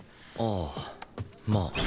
ああまあ。